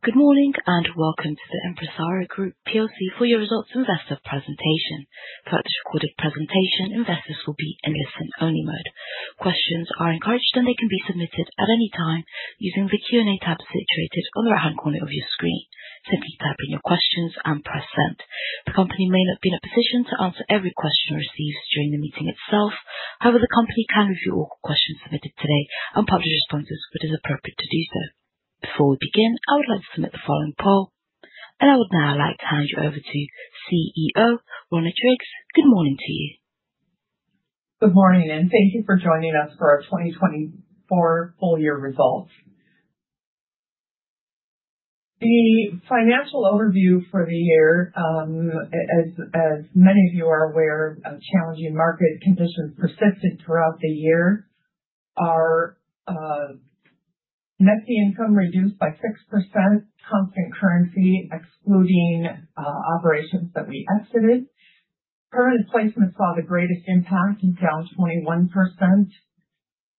Good morning and welcome to the Empresaria Group PLC Full Year Results Investor Presentation. Throughout this recorded presentation, investors will be in listen-only mode. Questions are encouraged, and they can be submitted at any time using the Q&A tab situated on the right-hand corner of your screen. Simply type in your questions and press send. The company may not be in a position to answer every question received during the meeting itself. However, the company can review all questions submitted today and publish responses when it is appropriate to do so. Before we begin, I would like to submit the following poll, and I would now like to hand you over to CEO Rhona Driggs. Good morning to you. Good morning, and thank you for joining us for our 2024 full-year results. The financial overview for the year, as many of you are aware, challenging market conditions persisted throughout the year. Net fee income reduced by 6%, constant currency excluding operations that we exited. Permanent placements saw the greatest impact, down 21%.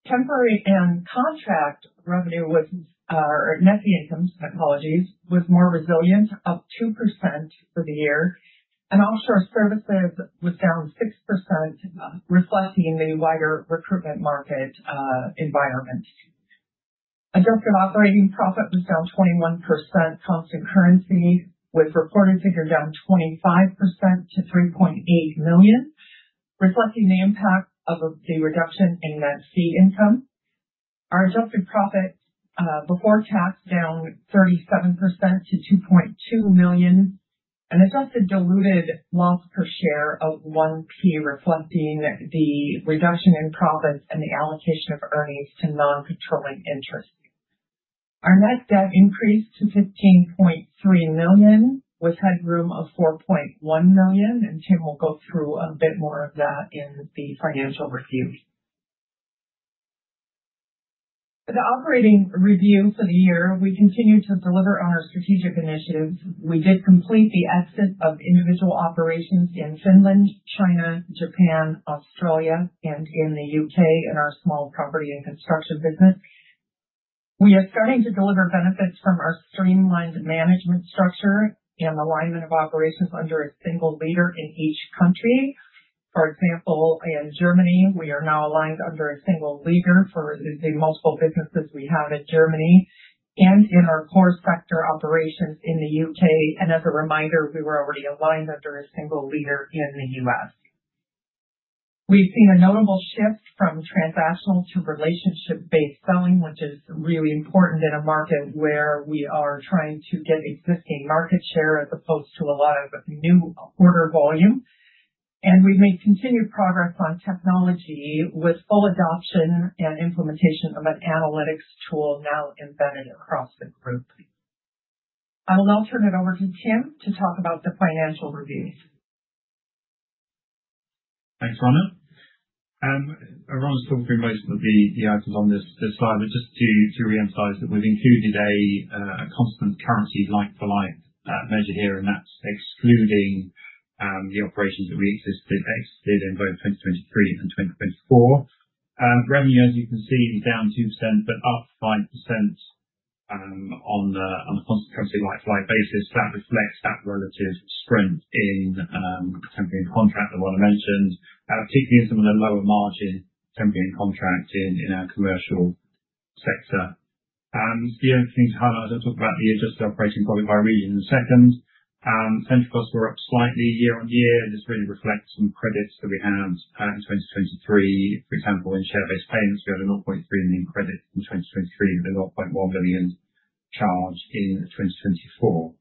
Temporary and contract net fee income, my apologies, was more resilient, up 2% for the year. Offshore services was down 6%, reflecting the wider recruitment market environment. Adjusted operating profit was down 21%, constant currency, with reported figure down 25% to 3.8 million, reflecting the impact of the reduction in net fee income. Our adjusted profit before tax down 37% to 2.2 million, and adjusted diluted loss per share of 0.01, reflecting the reduction in profits and the allocation of earnings to non-controlling interest. Our net debt increased to 15.3 million with headroom of 4.1 million, and Tim will go through a bit more of that in the financial review. For the operating review for the year, we continue to deliver on our strategic initiatives. We did complete the exit of individual operations in Finland, China, Japan, Australia, and in the U.K. in our small property and construction business. We are starting to deliver benefits from our streamlined management structure and alignment of operations under a single leader in each country. For example, in Germany, we are now aligned under a single leader for the multiple businesses we have in Germany and in our core sector operations in the U.K. As a reminder, we were already aligned under a single leader in the U.S. We've seen a notable shift from transactional to relationship-based selling, which is really important in a market where we are trying to get existing market share as opposed to a lot of new order volume. We have made continued progress on technology with full adoption and implementation of an analytics tool now embedded across the group. I will now turn it over to Tim to talk about the financial reviews. Thanks, Rhona. Rhona's talked through most of the items on this slide, but just to re-emphasize that we've included a constant currency like-for-like measure here, and that's excluding the operations that we exited in both 2023 and 2024. Revenue, as you can see, is down 2% but up 5% on a constant currency like-for-like basis. That reflects that relative strength in temporary and contract that Rhona mentioned, particularly in some of the lower margin temporary and contract in our commercial sector. The other thing to highlight, I'll talk about the adjusted operating profit by region in a second. Central costs were up slightly year on year, and this really reflects some credits that we had in 2023. For example, in share-based payments, we had a 0.3 million credit in 2023 with a 0.1 million charge in 2024.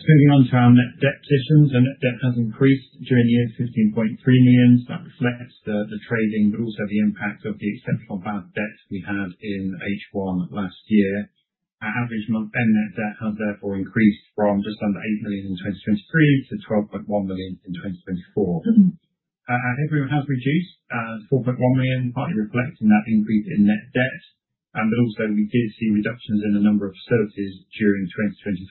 Moving on to our net debt positions, our net debt has increased during the year to 15.3 million. That reflects the trading but also the impact of the exceptional bad debt we had in H1 last year. Our average month-end net debt has therefore increased from just under 8 million in 2023 to 12.1 million in 2024. Headroom has reduced 4.1 million, partly reflecting that increase in net debt. Also, we did see reductions in the number of facilities during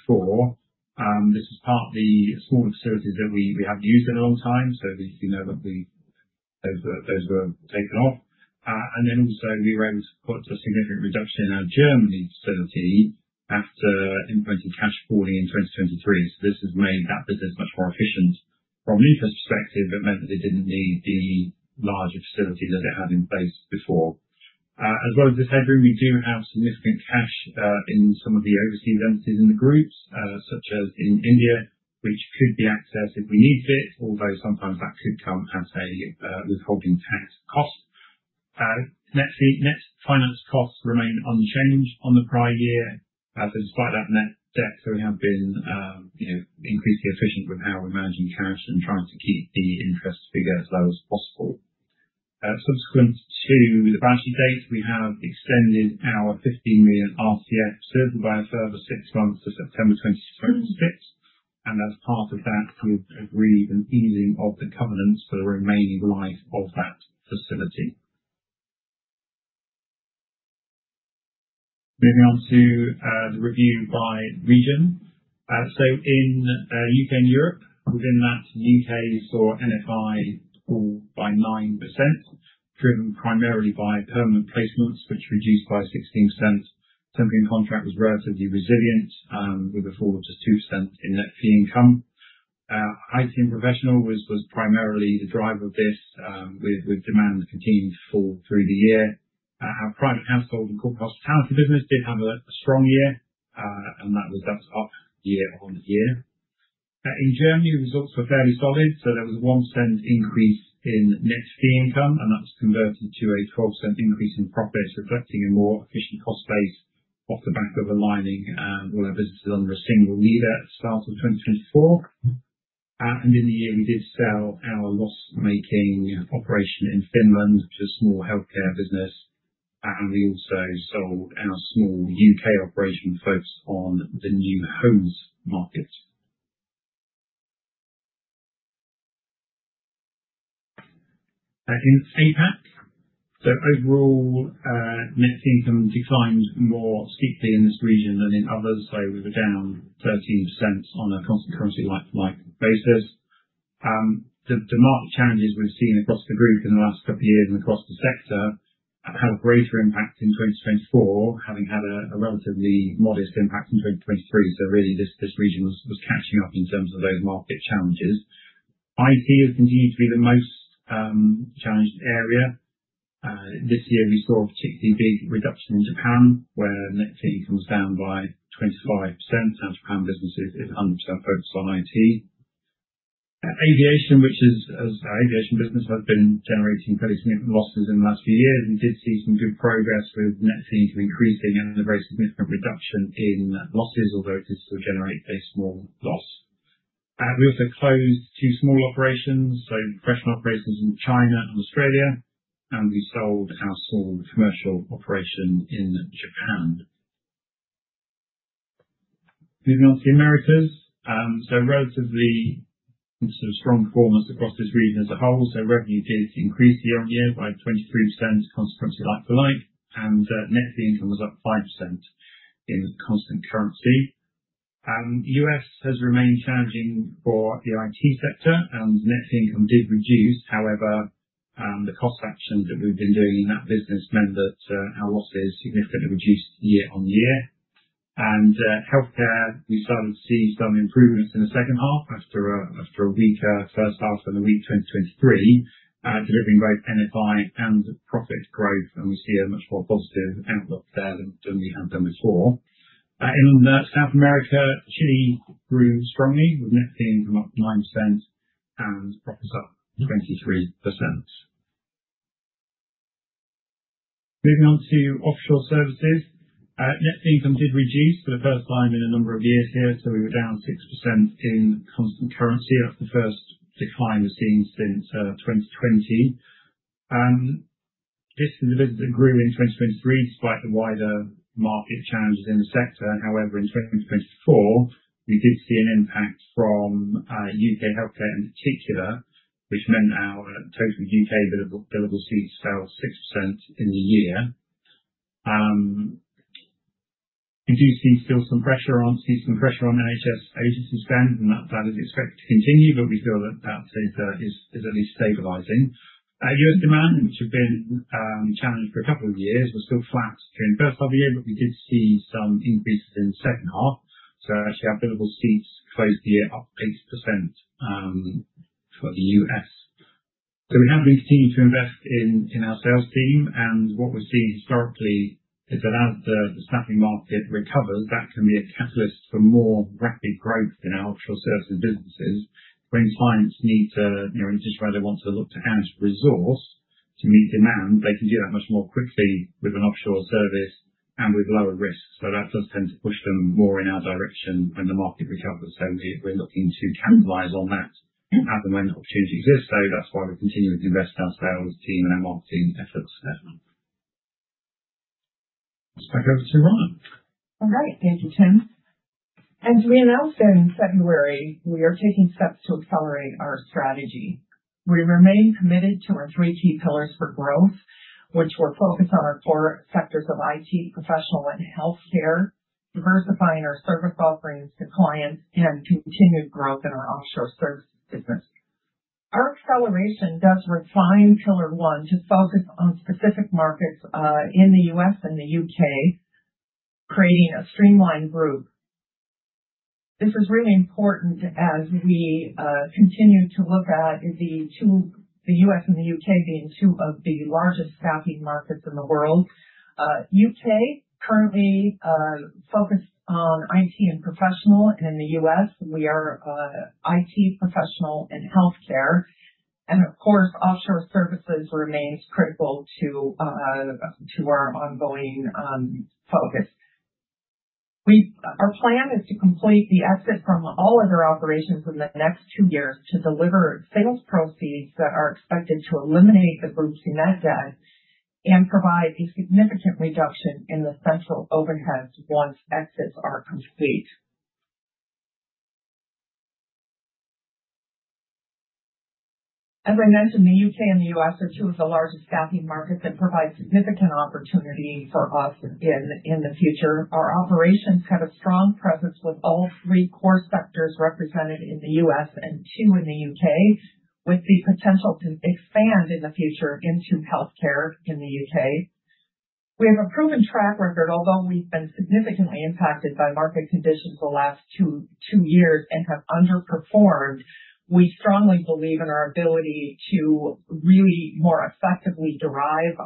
2024. This is partly smaller facilities that we have not used in a long time, so we know that those were taken off. Also, we were able to put a significant reduction in our Germany facility after implementing cash pooling in 2023. This has made that business much more efficient from an income perspective but meant that it did not need the larger facility that it had in place before. As well as this headroom, we do have significant cash in some of the overseas entities in the group, such as in India, which could be accessed if we needed it, although sometimes that could come as a withholding tax cost. Net finance costs remain unchanged on the prior year. Despite that net debt, we have been increasingly efficient with how we are managing cash and trying to keep the interest figure as low as possible. Subsequent to the [branching] date, we have extended our 15 million RCF total by a further six months to September 2026. As part of that, we have agreed on easing of the covenants for the remaining life of that facility. Moving on to the review by region. In the U.K. and Europe, within that, the U.K. saw NFI fall by 9%, driven primarily by permanent placements, which reduced by 16%. Temporary and contract was relatively resilient with a fall of just 2% in net fee income. IT and professional was primarily the driver of this, with demand continuing to fall through the year. Our private household and corporate hospitality business did have a strong year, and that was up year on year. In Germany, results were fairly solid, so there was a 1% increase in net fee income, and that was converted to a 12% increase in profits, reflecting a more efficient cost base off the back of aligning all our businesses under a single leader at the start of 2024. In the year, we did sell our loss-making operation in Finland, which is a small healthcare business, and we also sold our small U.K. operation focused on the new homes market. In the CPAC, overall, net income declined more steeply in this region than in others, so we were down 13% on a constant currency like-for-like basis. The market challenges we've seen across the group in the last couple of years and across the sector have had a greater impact in 2024, having had a relatively modest impact in 2023. This region was catching up in terms of those market challenges. IT has continued to be the most challenged area. This year, we saw a particularly big reduction in Japan, where net fee income was down by 25%, and Japan businesses are 100% focused on IT. Aviation, which is our aviation business, has been generating fairly significant losses in the last few years. We did see some good progress with net fee income increasing and a very significant reduction in losses, although it did still generate a small loss. We also closed two small operations, professional operations in China and Australia, and we sold our small commercial operation in Japan. Moving on to the Americas, relatively strong performance across this region as a whole. Revenue did increase year on year by 23%, constant currency like-for-like, and net fee income was up 5% in constant currency. The U.S. has remained challenging for the IT sector, and net fee income did reduce. However, the cost actions that we've been doing in that business meant that our losses significantly reduced year on year. Healthcare, we started to see some improvements in the second half after a weaker first half in the year 2023, delivering both NFI and profit growth, and we see a much more positive outlook there than we had done before. In South America, Chile grew strongly with net fee income up 9% and profits up 23%. Moving on to offshore services, net fee income did reduce for the first time in a number of years here, so we were down 6% in constant currency. That is the first decline we have seen since 2020. This is a business that grew in 2023 despite the wider market challenges in the sector. However, in 2024, we did see an impact from U.K. healthcare in particular, which meant our total U.K. billable seats fell 6% in the year. We do see still some pressure on NHS agencies then, and that is expected to continue, but we feel that that is at least stabilizing. U.S. demand, which had been challenged for a couple of years, was still flat during the first half of the year, but we did see some increases in the second half. Actually, our billable seats closed the year up 8% for the U.S. We have been continuing to invest in our sales team, and what we've seen historically is that as the staffing market recovers, that can be a catalyst for more rapid growth in our offshore services businesses. When clients need to, in a case where they want to look to add resource to meet demand, they can do that much more quickly with an offshore service and with lower risk. That does tend to push them more in our direction when the market recovers. We are looking to capitalize on that at the moment opportunity exists. That is why we are continuing to invest in our sales team and our marketing efforts. Back over to Rhona. All right. Thank you, Tim. As we announced in February, we are taking steps to accelerate our strategy. We remain committed to our three key pillars for growth, which were focused on our core sectors of IT, professional, and healthcare, diversifying our service offerings to clients, and continued growth in our offshore services business. Our acceleration does refine pillar one to focus on specific markets in the U.S. and the U.K., creating a streamlined group. This is really important as we continue to look at the U.S. and the U.K. being two of the largest staffing markets in the world. U.K. currently focused on IT and professional, and in the U.S., we are IT, professional, and healthcare. Of course, offshore services remains critical to our ongoing focus. Our plan is to complete the exit from all other operations in the next two years to deliver sales proceeds that are expected to eliminate the group's net debt and provide a significant reduction in the central overhead once exits are complete. As I mentioned, the U.K. and the U.S. are two of the largest staffing markets and provide significant opportunity for us in the future. Our operations have a strong presence with all three core sectors represented in the U.S. and two in the U.K., with the potential to expand in the future into healthcare in the U.K. We have a proven track record, although we've been significantly impacted by market conditions the last two years and have underperformed. We strongly believe in our ability to really more effectively derive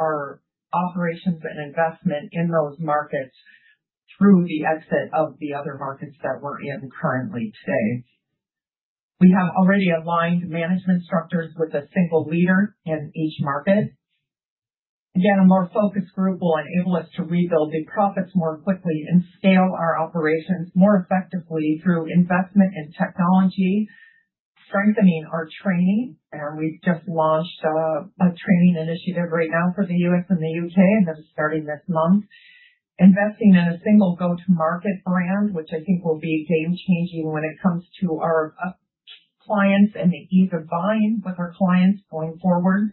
our operations and investment in those markets through the exit of the other markets that we're in currently today. We have already aligned management structures with a single leader in each market. A more focused group will enable us to rebuild the profits more quickly and scale our operations more effectively through investment in technology, strengthening our training. We have just launched a training initiative right now for the U.S. and the U.K., and that is starting this month. Investing in a single go-to-market brand, which I think will be game-changing when it comes to our clients and the ease of buying with our clients going forward.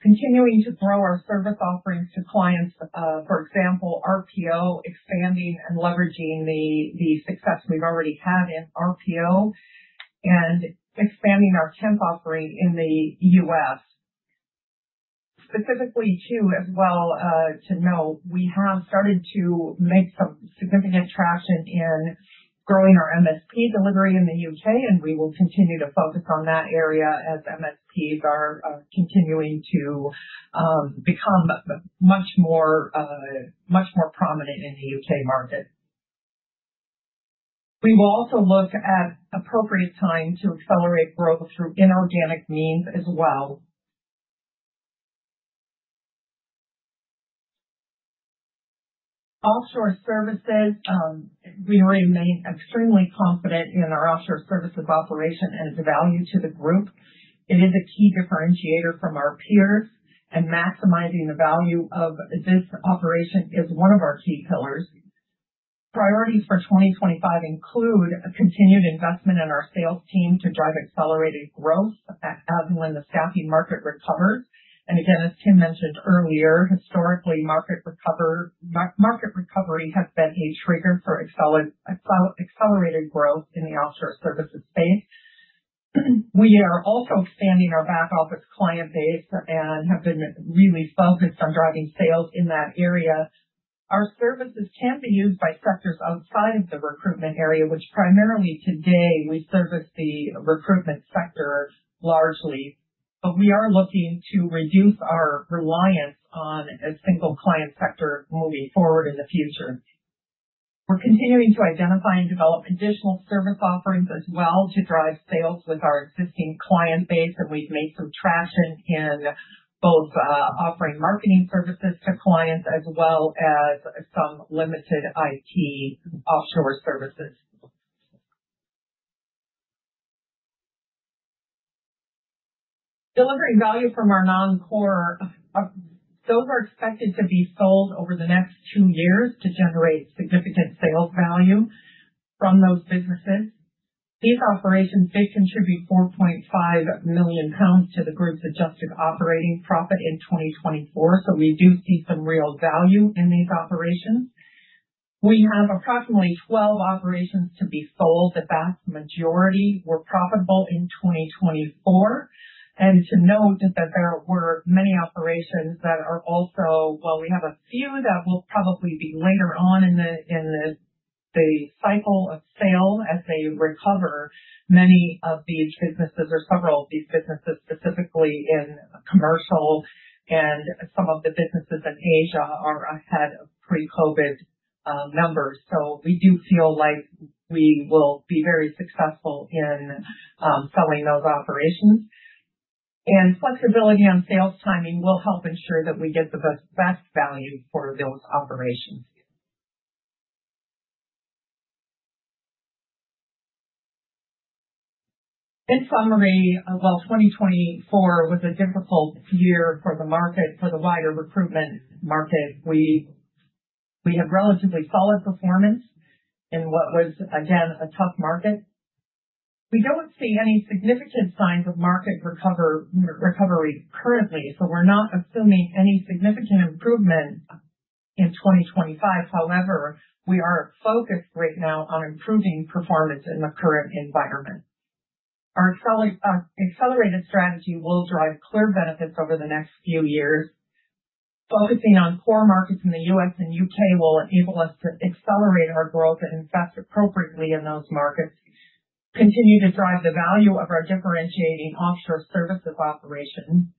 Continuing to grow our service offerings to clients, for example, RPO, expanding and leveraging the success we have already had in RPO and expanding our temp offering in the U.S. Specifically too, as well to note, we have started to make some significant traction in growing our MSP delivery in the U.K., and we will continue to focus on that area as MSPs are continuing to become much more prominent in the U.K. market. We will also look at appropriate time to accelerate growth through inorganic means as well. Offshore services, we remain extremely confident in our offshore services operation and its value to the group. It is a key differentiator from our peers, and maximizing the value of this operation is one of our key pillars. Priorities for 2025 include continued investment in our sales team to drive accelerated growth as and when the staffing market recovers. As Tim mentioned earlier, historically, market recovery has been a trigger for accelerated growth in the offshore services space. We are also expanding our back-office client base and have been really focused on driving sales in that area. Our services can be used by sectors outside of the recruitment area, which primarily today we service the recruitment sector largely, but we are looking to reduce our reliance on a single client sector moving forward in the future. We're continuing to identify and develop additional service offerings as well to drive sales with our existing client base, and we've made some traction in both offering marketing services to clients as well as some limited IT offshore services. Delivering value from our non-core, those are expected to be sold over the next two years to generate significant sales value from those businesses. These operations did contribute 4.5 million pounds to the group's adjusted operating profit in 2024, so we do see some real value in these operations. We have approximately 12 operations to be sold. The vast majority were profitable in 2024. To note that there were many operations that are also, well, we have a few that will probably be later on in the cycle of sale as they recover. Many of these businesses, or several of these businesses specifically in commercial and some of the businesses in Asia, are ahead of pre-COVID numbers. We do feel like we will be very successful in selling those operations. Flexibility on sales timing will help ensure that we get the best value for those operations. In summary, while 2024 was a difficult year for the market, for the wider recruitment market, we have relatively solid performance in what was, again, a tough market. We do not see any significant signs of market recovery currently, so we are not assuming any significant improvement in 2025. However, we are focused right now on improving performance in the current environment. Our accelerated strategy will drive clear benefits over the next few years. Focusing on core markets in the U.S. and U.K. will enable us to accelerate our growth and invest appropriately in those markets, continue to drive the value of our differentiating offshore services operation,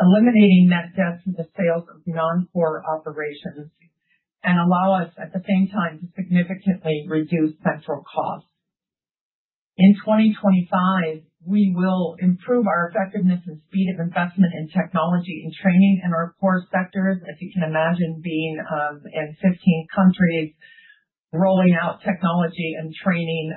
eliminating net debt from the sales of non-core operations, and allow us at the same time to significantly reduce central costs. In 2025, we will improve our effectiveness and speed of investment in technology and training in our core sectors. As you can imagine, being in 15 countries, rolling out technology and training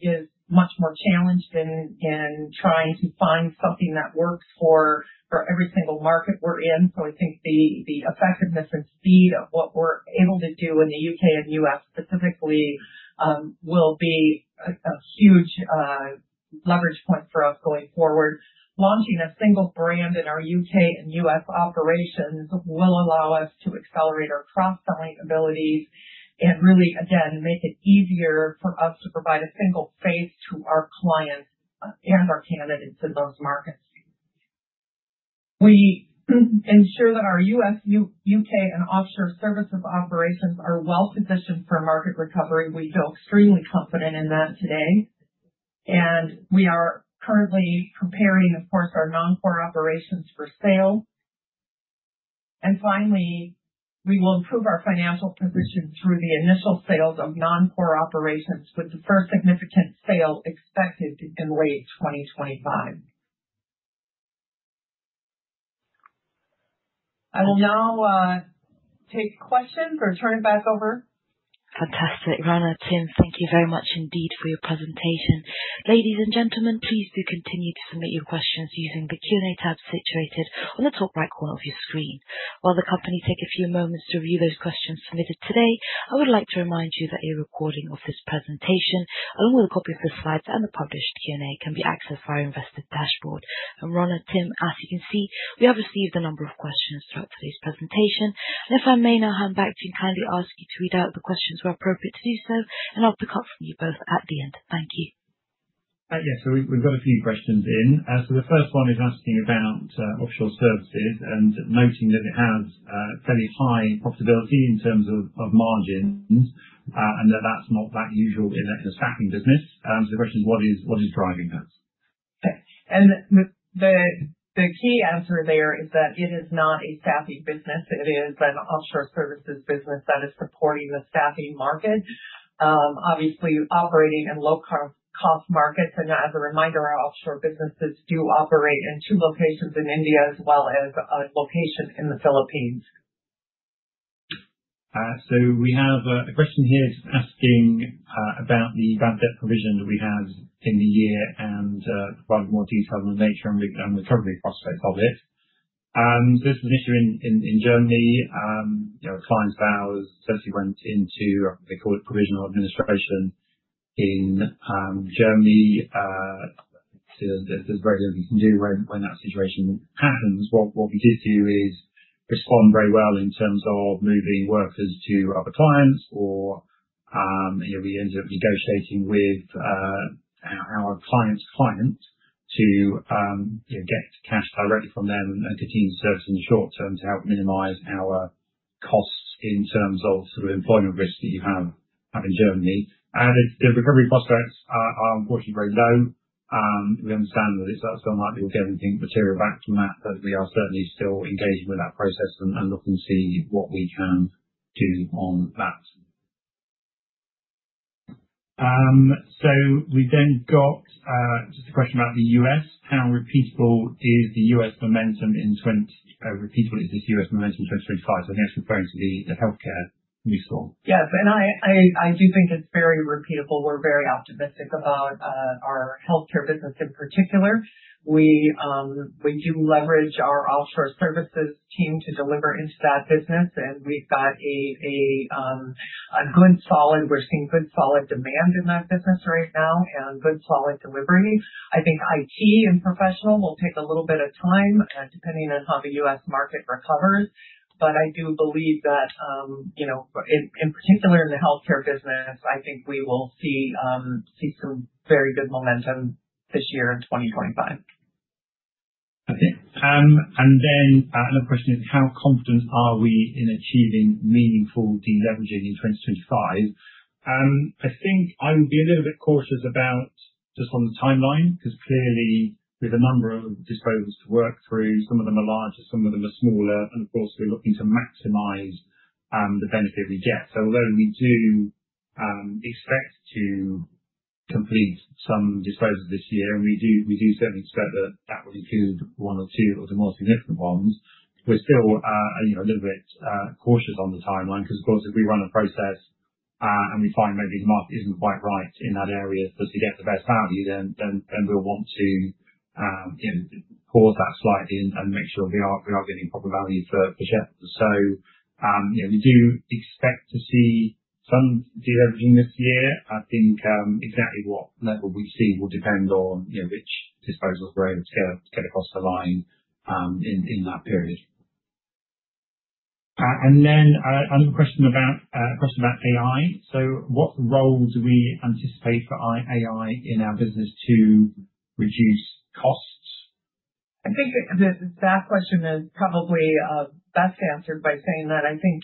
is much more challenged in trying to find something that works for every single market we are in. I think the effectiveness and speed of what we're able to do in the U.K. and U.S. specifically will be a huge leverage point for us going forward. Launching a single brand in our U.K. and U.S. operations will allow us to accelerate our cross-selling abilities and really, again, make it easier for us to provide a single face to our clients and our candidates in those markets. We ensure that our U.S., U.K., and offshore services operations are well positioned for market recovery. We feel extremely confident in that today. We are currently preparing, of course, our non-core operations for sale. Finally, we will improve our financial position through the initial sales of non-core operations with the first significant sale expected in late 2025. I will now take questions or turn it back over. Fantastic. Rhona, Tim, thank you very much indeed for your presentation. Ladies and gentlemen, please do continue to submit your questions using the Q&A tab situated on the top right corner of your screen. While the company takes a few moments to review those questions submitted today, I would like to remind you that a recording of this presentation, along with a copy of the slides and the published Q&A, can be accessed via Investor Dashboard. Rhona, Tim, as you can see, we have received a number of questions throughout today's presentation. If I may now hand back to you and kindly ask you to read out the questions where appropriate to do so, I'll pick up from you both at the end. Thank you. Yes, so we've got a few questions in. The first one is asking about offshore services and noting that it has fairly high profitability in terms of margins and that that's not that usual in a staffing business. The question is, what is driving that? The key answer there is that it is not a staffing business. It is an offshore services business that is supporting the staffing market, obviously operating in low-cost markets. As a reminder, our offshore businesses do operate in two locations in India as well as a location in the Philippines. We have a question here just asking about the bad debt provision that we have in the year and provide more detail on the nature and recovery prospects of it. This is an issue in Germany. Clients of ours essentially went into what they call provisional administration in Germany. There is very little you can do when that situation happens. What we did do is respond very well in terms of moving workers to other clients, or we ended up negotiating with our client's client to get cash directly from them and continue to service in the short term to help minimize our costs in terms of sort of employment risk that you have in Germany. The recovery prospects are unfortunately very low. We understand that it's still not like we'll get anything material back from that, but we are certainly still engaging with that process and looking to see what we can do on that. We've then got just a question about the U.S. How repeatable is the U.S. momentum in 2025? I think that's referring to the healthcare new store. Yes, and I do think it's very repeatable. We're very optimistic about our healthcare business in particular. We do leverage our offshore services team to deliver into that business, and we've got a good, solid— we're seeing good, solid demand in that business right now and good, solid delivery. I think IT and professional will take a little bit of time depending on how the U.S. market recovers. I do believe that in particular in the healthcare business, I think we will see some very good momentum this year in 2025. Okay. Another question is, how confident are we in achieving meaningful deleveraging in 2025? I think I would be a little bit cautious about the timeline because clearly we have a number of disposals to work through. Some of them are larger, some of them are smaller, and of course, we are looking to maximize the benefit we get. Although we do expect to complete some disposals this year, and we do certainly expect that will include one or two of the more significant ones, we are still a little bit cautious on the timeline because, of course, if we run a process and we find maybe the market is not quite right in that area for us to get the best value, then we will want to pause that slightly and make sure we are getting proper value for share. We do expect to see some deleveraging this year. I think exactly what level we see will depend on which disposals we're able to get across the line in that period. Another question about AI. What role do we anticipate for AI in our business to reduce costs? I think that question is probably best answered by saying that I think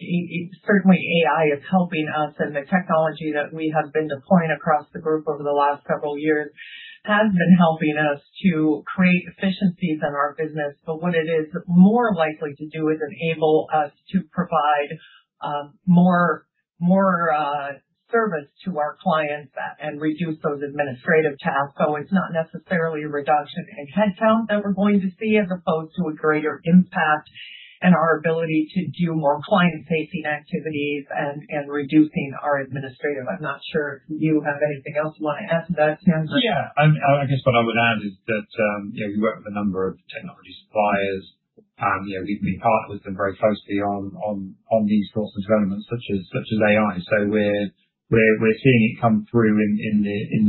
certainly AI is helping us, and the technology that we have been deploying across the group over the last several years has been helping us to create efficiencies in our business. What it is more likely to do is enable us to provide more service to our clients and reduce those administrative tasks. It is not necessarily a reduction in headcount that we are going to see as opposed to a greater impact in our ability to do more client-facing activities and reducing our administrative. I am not sure if you have anything else you want to add to that, Tim. Yeah. I guess what I would add is that we work with a number of technology suppliers. We partner with them very closely on these sorts of developments such as AI. We are seeing it come through in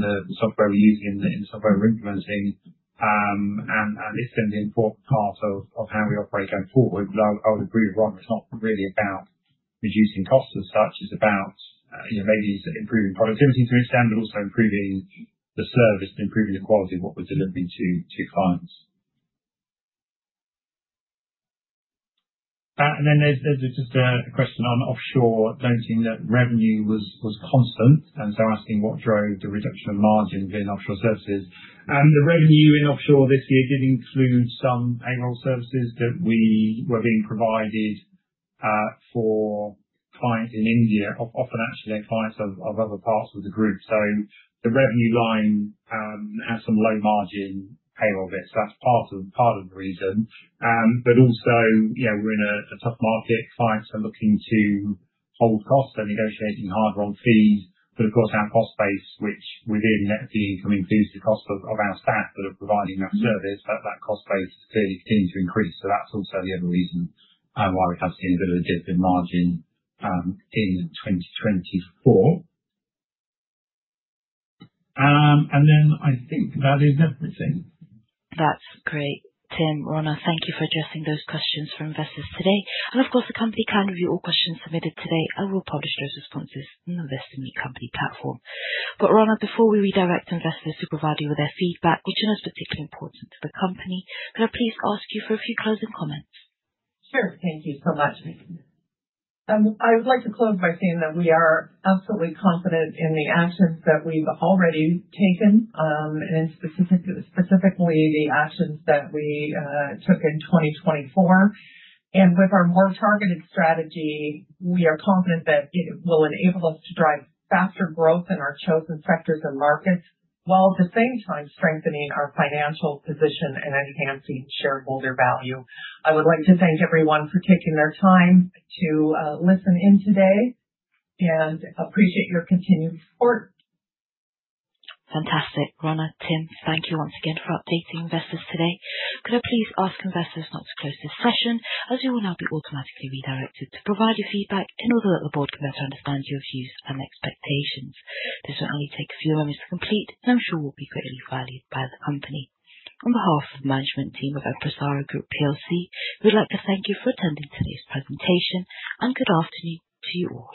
the software we are using, in the software we are implementing, and it is going to be an important part of how we operate going forward. I would agree with Rhona, it is not really about reducing costs as such. It is about maybe improving productivity to an extent, but also improving the service and improving the quality of what we are delivering to clients. There is just a question on offshore, noting that revenue was constant. Asking what drove the reduction of margins in offshore services. The revenue in offshore this year did include some payroll services that we were being provided for clients in India, often actually clients of other parts of the group. The revenue line has some low-margin payroll there. That is part of the reason. We are in a tough market. Clients are looking to hold costs. They are negotiating harder on fees. Of course, our cost base, which within net of the income includes the cost of our staff that are providing that service, that cost base is clearly continuing to increase. That is also the other reason why we have seen a bit of a dip in margin in 2024. I think that is everything. That's great. Tim, Rhona, thank you for addressing those questions for investors today. Of course, the company can review all questions submitted today and will publish those responses on the Investor Meet Company platform. Rhona, before we redirect investors to provide you with their feedback, which is particularly important to the company, could I please ask you for a few closing comments? Sure. Thank you so much. I would like to close by saying that we are absolutely confident in the actions that we've already taken and specifically the actions that we took in 2024. With our more targeted strategy, we are confident that it will enable us to drive faster growth in our chosen sectors and markets while at the same time strengthening our financial position and enhancing shareholder value. I would like to thank everyone for taking their time to listen in today and appreciate your continued support. Fantastic. Rhona, Tim, thank you once again for updating investors today. Could I please ask investors not to close this session as you will now be automatically redirected to provide your feedback in order that the board can better understand your views and expectations? This will only take a few moments to complete, and I'm sure will be greatly valued by the company. On behalf of the management team of Empresaria Group PLC, we would like to thank you for attending today's presentation, and good afternoon to you all.